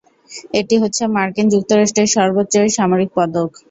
এটি হচ্ছে মার্কিন যুক্তরাষ্ট্রের সর্বোচ্চ সামরিক পদক।